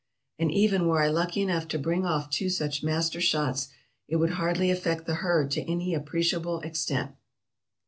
And even were I lucky enough to bring off two such master shots, it would hardly effect the herd to any appreciable extent.